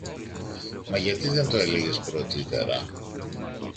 Μα γιατί δεν το 'λεγες πρωτύτερα;